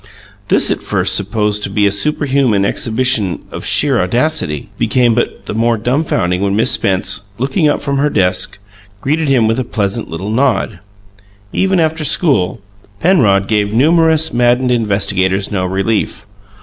This, at first supposed to be a superhuman exhibition of sheer audacity, became but the more dumfounding when Miss Spence looking up from her desk greeted him with a pleasant little nod. Even after school, Penrod gave numerous maddened investigators no relief.